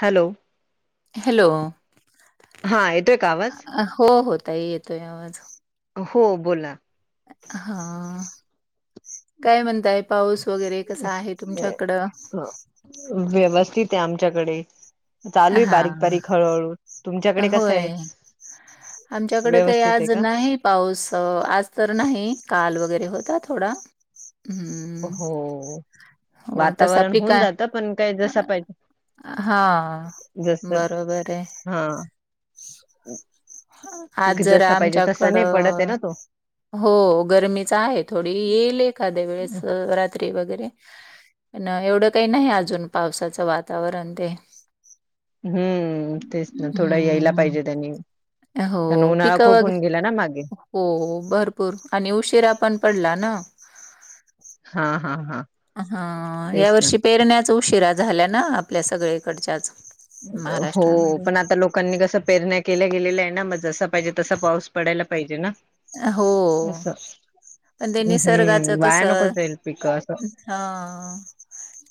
Hello hello. हा येतोय का आवाज हो. होताही येतो यावज हो. बोला हां. काय म्हणताय पाऊस वगैरे कसा आहे तुमच्याकडं व्यवस्थित आहे, आमच्याकडे. चालू आहे बारीक हां. बारीक हळूहळू तुमच्याकडे कसं आहे. आमच्याकड काही व्यवस्थित आहे आज का नाही पाऊस आज तर नाही काल वगैरे होता थोडा. हो हो तसा वातावरण होऊन, जात पण काय जसा पाहिजे. हा, जस बरोबर आहे. हा. हम् आज जरा आहे आमच्याकडं ना तो हो गरमीच आहे. थोडी येईल एखाद्या वेळेस रात्री वगैरे पण एवढं काही नाही अजून, पावसाचं वातावरण ते. हम्म तेच ना थोडं, यायला हम्म. पाहिजे, त्यांनी हो कारण उन्हाळा पिकं खूप वगैरे. होऊन गेला ना मागे हो, हो. भरपूर आणि उशीरा पण पडला ना. हा.. हा.. हा. हा, या तेच ना वर्षी पेरण्याचं उशिरा झाल्या ना? आपल्या सगळीकडच्याचं. हो, पण आता लोकांनी कसं पेरण्या केल्या गेलेल्या आहे ना मग जस पाहिजे तसा पाऊस पडायला पाहिजे ना. हो असं पण ते निसर्गाच हम्म वाया नको कसं जाईल पिक असं हा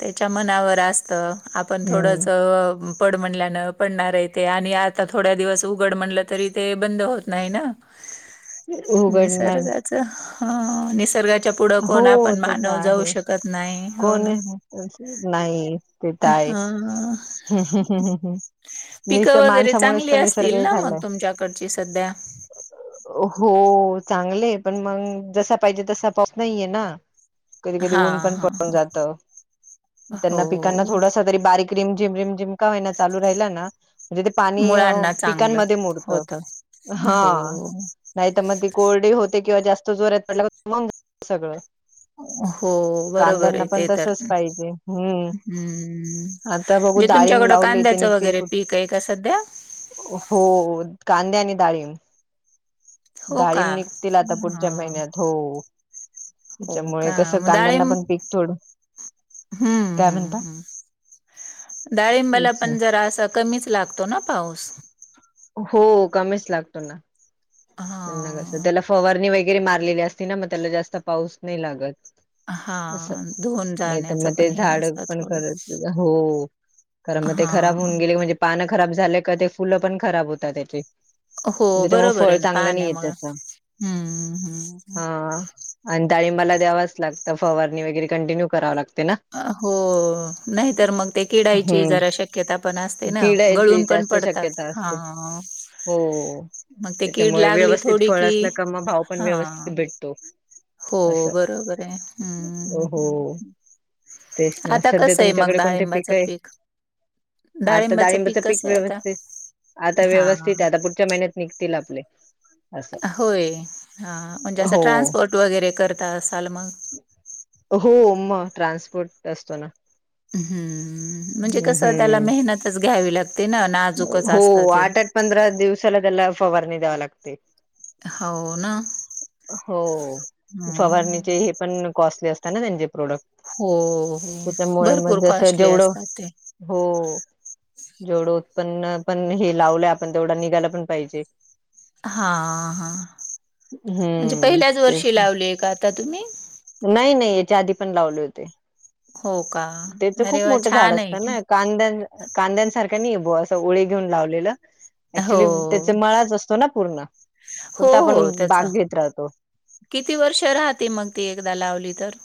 त्याच्या मनावर असतं आपण हम्म थोडंसं पड म्हणल्यान पडणार आहे ते आणि आता थोड्या दिवस उघड म्हलं तरी ते बंद होत नाही ना उघडणार निसर्गाच ह निसर्गाच त्यापुुढं हो कोण आपण ते तर मानव जाऊ आहे शकत नाही हो कोण ना? नाही ते तर आहे हा हा हम्म पिकं वगैरे चांगली असतील ना मग झालाय तुमच्याकडची सध्या? हो चांगले पण मग जसा पाहिजे तसा पाऊस नाहीये ना. कधी कधी हा ऊन पण हा पडून जातं हो त्यांना पिकांना थोडासा तरी बारीक रिमझिम-रिमझिम का होईना चालू राहिला ना म्हणजे ते पाणी मुळांना चांगलं पिकांमध्ये मुरत होत हा हो नाही तर मग ती कोरडी होते किंवा जास्त जोरात [unintelligible] पटल्या सगळं. हो बरोबर कांद्यांना आहे पण ते तर तसच पाहिजे हम्म आता बघू म्हणजे डाळीम तुमच्याकडं लावले ते कांद्याचं निघतील वगैरे पुढ पीक आहे का सध्या? हो कांद्या आणि डाळिंब हो का डाळींब निघतील आता हा पुढच्या महिन्यात हो. हो त्याच्यामुळे का कसं मग कांद्यांना डाळिंब पण पीक थोडं हम्म काय हम्म म्हणता हम्म डाळिंबाला तेच ना पण जरा असं कमीच लागतो ना पाऊस? हो कमीच लागतो ना. हा. त्याला फवारणी वगैरे मारलेली असते ना मग त्याला जास्त पाऊस नाही लागतं. असं हा धुऊन नाही तर जाण्याचं मग ते पण हे झाड असतं पण थोडं करत हो कारण मग ते खराब हा होऊन गेले म्हणजे पानं खराब झाल्या का ते फुलं पण खराब होतात त्याची. हो बरोबर आहे ना पाण्यामुळं हम्म हम्म आणि ताळिंबाला द्यावाच लागतं फवारणी वगैरे कंटिन्यू कराव लागते ना. हो नाही तर मग ते किडायची हम्म. जरा शक्यता पण असते ना किडायची गळून पण जास्त पडतात. शक्यता असते हा हो त्याच्यामुळे व्यवस्थित थोडी फळ की असलं का मग भाव पण हां व्यवस्थित भेटतो. हो असं बरोबर आहे हो. हम्म तेच ना आता सध्या कसं आहे मग तुमच्याकडे कोणते पिक डाळिंबाचं आहे. पीक? आता डाळिंबाचं डाळिंबाच पीक कसं आहे आता? व्यवस्थित आता हां व्यवस्थित आता पुढच्या पुढच्या महिन्यात निघतील आपले असं होय हा म्हणजे असं हो. ट्रान्सपोर्ट वगैरे करता असाल मग हो मग ट्रान्सपोर्ट असतो ना म्हणजे कस त्याला हम्म. मेहनतच घ्यावी लागते ना. नाजूकच हो असतं ते. आठ आठ पंधरा दिवसाला त्याला फवारणी द्यावा लागते. हो ना हो हम्म. फवारणीचे हे पण कॉस्टली असतं. त्यां त्यांचे प्रोडक्ट हो हो त्याच्यामुळे भरपूर मग जसं कॉस्टली जेवढं असतात ते. हो जेवढ होतं पण पण हे लावलं आपण तेवढा निघायला पण पाहिजे. हा हा म्हणजे हम्म पहिल्याच तेच वर्षी ना. लावलेय का आता तुम्ही? नाही नाही याच्या आधी पण लावले होते. हो का त्याच अरे खूप वाह! मोठं झाड छान आहे असतं की. ना कांद्या कांद्यांसारख्या नाही बुआ असं ओली घेऊन लावलेलं हो. अक्च्युली त्याचा मळाच असतो ना पूर्ण हो, फक्त आपण हो त्याचं. बाग घेत राहतो किती वर्ष राहते मग ती एकदा लावली तर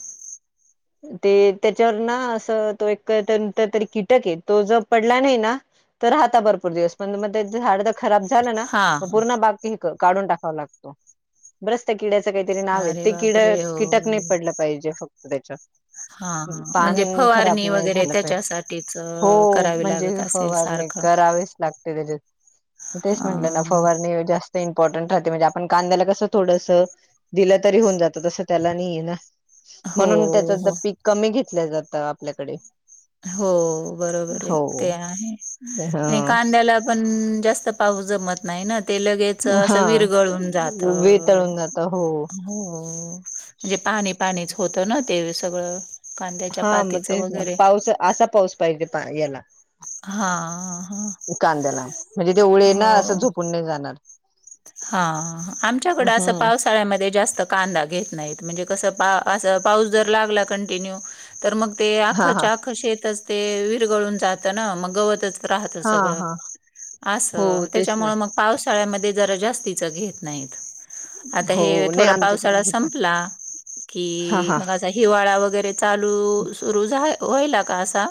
ते त्याच्यावर ना असं तो एक तरी कीटक आहे तो ज पडला नाही ना तर राहता भरपूर दिवस पण मग झाड खराब झालं ना हां, म पूर्ण बाकी काढून टाकावा लागतो ब्रस्त किड्याच काहीतरी नाव हां. आहे अरे ते किड बापरे! हो, कीटक नाही हो. पडलं पाहिजे फक्त त्याच्या हां. पान म्हणजे खराब फवारणी नाही वगैरे झालं प त्याच्यासाठीच अ, हो करावी म्हणजे लागत असेल फवार नाही सारखं. करावेच लागते त्याच्यात तेच म्हंटलं ना हां. फवारणी जास्त इम्पॉर्टंट राहते म्हणजे आपण कांद्याला कसं थोडसं दिलं तरी होऊन जातं तसं त्याला नाही आहे ना हो, म्हणून त्याचं तर हो. पीक कमी घेतलं जातं आपल्याकडे. हो बरोबर आहे हो. ते आहे हा आणि कांद्याला पण जास्त पाऊस जमत नाही ना ते लगेच अस हा विरगळून जात वितळून जात हो म्हणजे पाणी पाणीच होतं ना ते सगळं कांद्याच्या हा मग पातीचं तेच ना वगैरे पाऊस असा पाऊस पाहिजे याला हा हा कांद्याला म्हणजे ते उळे ना असं हो. झोपून नाही जाणार हा आमच्याकडे अस हम्म पाऊस श जास्त कांदा घेत नाहीत म्हणजे कस अस पाऊस जर लागला कंटिन्यू तर मग ते हा हा आखच्या आख शेतच ते विरगळून जातं ना मग गवतच राहतं हा सगळं हा हो असं. तेच ना त्याच्यामुळे मग पावसाळ्यामध्ये ज जास्ती घेत नाहीत आता हो हे नाही थोडा आमच्याकडे पावसाळा घेतात संपला हा की हा मग हिवाळा वगैरे चालू सुर होईला का असा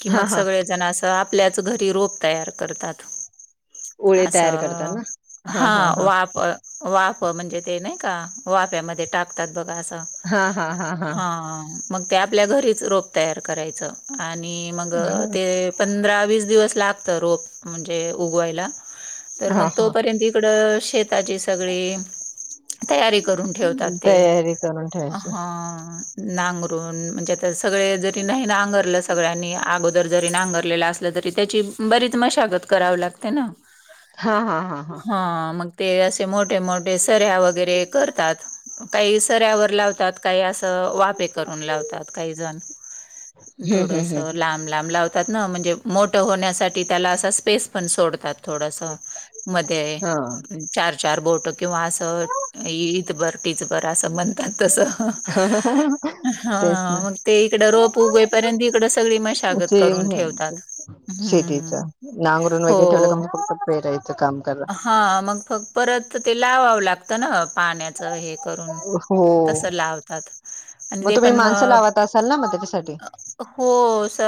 कि हा मग हा सगळेजण असं आपल्याच घरी रोप तयार करतात ओळे तयार करता असं ना हा वाफ वाफ म्हणजे ते नाही का वाफ्यामध्ये टा असत्यात बगा अस हा मग ते आपल्या घरीच रोप तयार करायचं आणि मग ते पं व दिव लाो म्हणजे उगवायला तर हा मग त हा त्यां तिकड शेताची सगळी तयारी करून ठेवतात ते तयारी करून ठेवायची हा नांगरून म्हणजे त्या सगळे जरी नाही नांगरलाच सगळ्यांनी अगोदर जरी नांगरलेला असलं तरी त्याची बरीच मशागत कराव लागते ना हा हा हां हा मग ते असे मोठे मोठे सऱ्या वगैरे करतात काही सऱ्यावर लावतात काही असं वापे करून लावतात काही जण हम्म हम्म थोडस हम्म ला लातात म्हणजे मोठ होण्यासाठी त्या अस स्पेस पण सोडतात थोडस मध्ये हा चार चार बोट किंवा असं दभर टिचबर असं मन तसं. हा तेच ना मग ते इकडें रोप उगेपर्यंत इकडे सगळी मशागत करून ठेवतात हम्म शेतीच नांगरून हो वगैरे ठेवलं का मग खूप पेरायचं काम करा. हा मग फक परत ते लावाव लागत ना पाण्यात. हे करून हो तस लावतात आणि मग रे तुम्ही पण माणसं मग लावत असाल ना मग त्याच्यासाठी अ! हो स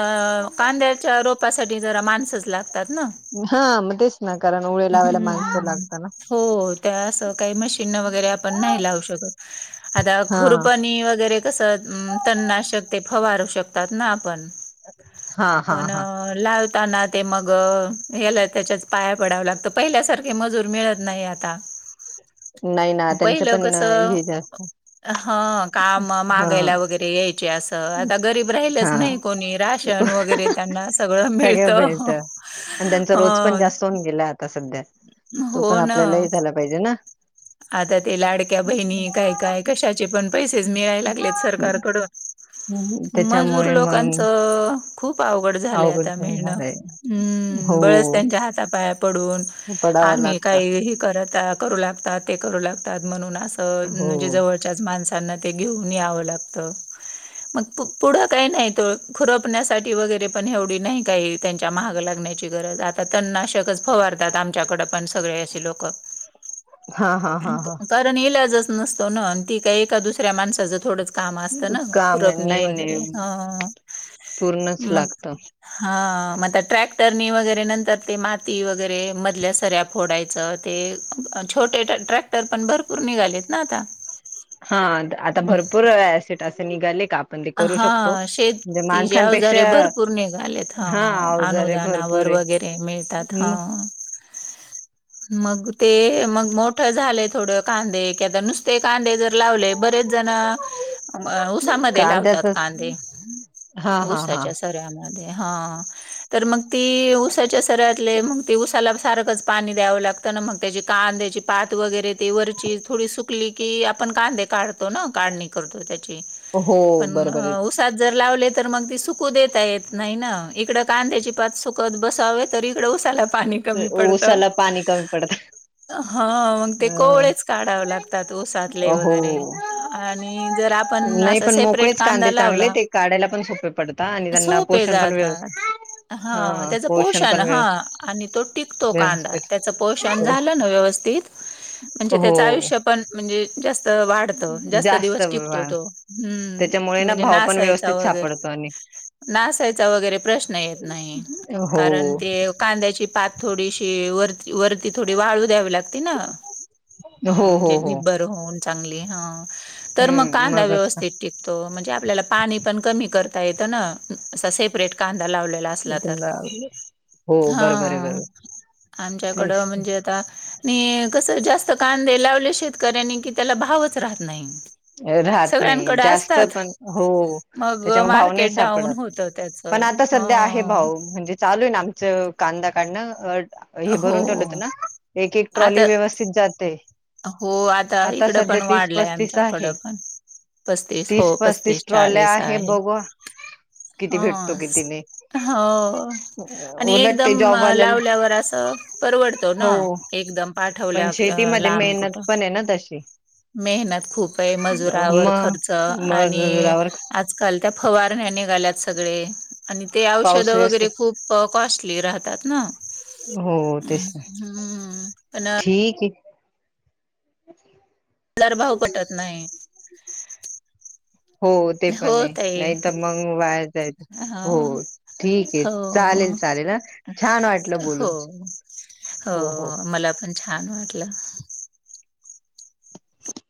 कांद्याच्या रोपासाठी जरा माणसच लागतात ना हा म तेच! ना कारण ओळे लावायला माणसं हम्म लागतात ना हो ते असं काही मशीन वगैरे आपण न्हाय लावू शकत. आता हा खुरपणी वगैरे तसं तननाशक ते फवारू शकतात ना आपण हा हा पण हा लावताना ते मग गेलं त्याच्याच पायात. पडावं लागत पहिल्या सारखे मजूर मिळत नाही आता नाही ना त्यांचं पहिलं पण कस हे जास्त ह काम हा मागायला वगैरे ते यायचे अस तर आता गरीब राहिलच हा नाही कोणी राशन वगैरे त्यांना सगळं मिळत. आणि त्यांचा रोज पण जास्त होऊन गेला आता सध्या तो पण हो ना. आपल्यालाही झाला पाहिजे ना आता ते लाडक्या बहिणी काय काय कशाचे पण पैसेच मिळायला लागलेत सरकारकडून. मजूर त्याच्यामुळे मग लोकांचं! खूप अवघड झालंय अवघड आता मिळणं झालंय हम्म हो बळच त्यांच्या हाता पाया पडून पडावं आम्ही लागत काहीही हे करत करू लागतात ते करू लागतात म्हणून असं हो म्हणजे जवळ त्याच माणसांना ते घेऊन ही यावं लागत मग पु पुढ काय नाहीत खुरपण्यासाठी वगैरे पण एवढी नाही काही त्यांच्या माग लागण्याची गरज आता तननाशकच फवारतात आमच्याकड पण सगळे असे लोक हा हा हा हा! कारण इलाजच नसतो ना ते काही एका दुसऱ्या माणसाचं थोडंच काम असत ना काम खुरपनी नाही नाही वगैरे आ पूर्णच मग लागत हा मग आ ट्रॅक्टरनी वगैरे नंतर ते माती वगैरे मधल्या सऱ्या फोडायच ते छोटे ट्रॅक्टर पण भरपूर निघालेत ना आता हा आता आता भरपूर ऍसिड असे निघाले का. आपण ते करू शकतो हा म्हणजे शेतीचे माणसांपेक्षा अवजारे भरपूर निघालेत हा अवजारे भरपूर अनुदानावर आहे वगैरे ते मिळतात हा! मग ते मग मोठ झालय थोड कांदे क नुसते कांदे जर लावले बरेच जण अ ऊसामध्ये लावले कांद्याच कांदे, हा हा हा उसाच्या स सऱ्यामध्ये हा तर मग ती उसाच्या सऱ्यातले मग ते उसाला सारखच पाणी द्यावं लागत ना मग त्याची कांद्याची पात वगैरे ते वरची थोडी सुकली की आपण कांदे काढ तो ना काढणी करतो त्याची हो पण बरोबर आहे ऊस सात जर लावले तर मग ती सुकू देता येत नाही ना इकडे कांद्याची पात सुकत बसावेत तर इकड ऊसाला पाणी कमी पडत ऊसाला पाणी कमी पडत हा ते अ कोवळेच काढाव लागतात ऊसातले हो वगैरे आणि जर आपण नाही अस पण सेफ मोकळेच कांदे चांगले ते काढायला पण सोपे पडता आणि त्यांना सोपे पोषण पण व्यवस् जातात हा त्याच पोषण हा आणि तो टिकतो कांदा व्यवस्थित त्याचं पोषण झालं ना व्यवस्थित म्हणजे त्याच हो आयुष्य पण म्हणजे जास्त वाढतं, जास्त दिवस टिकतो तो. त्याच्यामुळे हम्म ना म्हणजे भाव पण नासायचा व्यवस्थित वगैरे सापडतो आणि नासायचा वगैरे प्रश्न येत नाही कारण हो ते कांद्याची पात थोडीशी वर वरती थोडी वाळू द्यावी लागते ना अं हो म्हणजे हो हो निब्बर होऊन चांगली हम्म तर मग हम्म कांदा मगच का व्यवस्थित ठिक त म्हणजे आपल्याला पाणी पण कमी करता येतं ना अस सेपरेट कांदा लाव हो बरोबर आहे हा बरोबर तेच आमच्याकडं म्हणजे आणि कस जास्त कांदे लावले शेतकऱ्यांनी कि त्याला भावच राहत नाही राहत नाही सगळ्यांकडे जास्त तर असतात पण हो मग त्याच्यामुळे भाऊ नाही मार्केट डाऊन सापडत होत त्याच पण आता सध्या आहे ह. भाऊ म्हणजे चालू आहे ना आमच कांदा काढणं हे हो भरून ठेवत ना एक एक ट्रॉली आता व्यवस्थित जाते हो आता इकडं सध्या पण तीस वाढलंय पस्तीस आमच्या कड आहे पण पस्तीस तीस हो पस्तीस ट्रॉल्या चाळीस आहे. बघू किती भेटतो किती नाही ह हो आणि उलट ते एकदम जॉबवाल्याला लावल्यावर अस तर परवडतो ना हो एकदम पण पाठवल्या शेतीमध्ये लांब मेहनत कुठं. पण ना तशी मेहनत खूप आहे मजुरावर मग खर्च आणि मजुरावर आजकाल त्या फवारण्या निघाल्यात सगळे आणि ते औषध पाऊस वगैरे व्यवस्थित खूप प कॉस्टली राहतात न. हो हम्म. पण ठीकए. [inaudible] दर भाव पटत नाही. हो ते हो पण आहे ताई नाही तर मग वाया जायचं. हा हो ठीक आहे हो चालेल चालेल ह छान वाटलं बोलून हो हो मला पण छान वाटलं